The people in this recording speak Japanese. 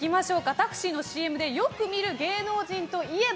タクシーのＣＭでよく見る芸能人といえば？